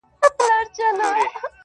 له قضا پر یوه کلي برابر سو -